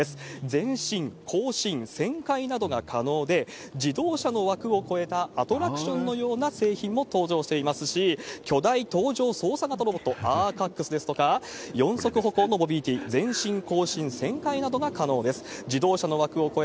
前進、後進、旋回などが可能で、自動車の枠を超えた、アトラクションのような製品も登場していますし、巨大搭乗操作型ロボット、アーカックスですとか、四足歩行のモビリティ、前進、後進旋回などが可能です。